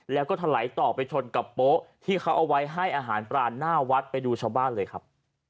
แล้วก็ถลายต่อไปชนกับโป๊ะที่เขาเอาไว้ให้อาหารปลาหน้าวัดไปดูชาวบ้านเลยครับ